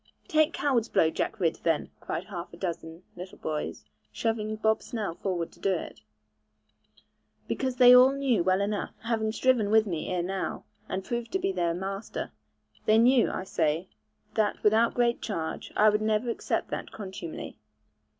'Take coward's blow, Jack Ridd, then,' cried half a dozen little boys, shoving Bob Snell forward to do it; because they all knew well enough, having striven with me ere now, and proved me to be their master they knew, I say, that without great change, I would never accept that contumely.